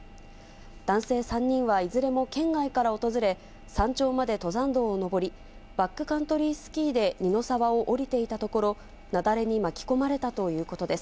男性３人はいずれも県外から訪れ、山頂まで登山道を登り、バックカントリースキーで二の沢を下りていたところ、雪崩に巻き込まれたということです。